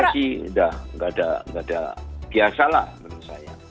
kira kira enggak ada enggak ada biasa lah menurut saya